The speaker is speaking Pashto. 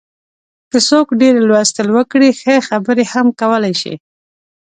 که څوک ډېر لوستل وکړي، ښه خبرې هم کولای شي.